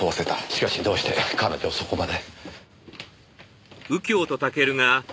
しかしどうして彼女をそこまで。